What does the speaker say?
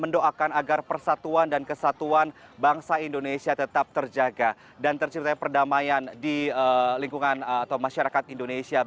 dan terciptai perdamaian di lingkungan atau masyarakat indonesia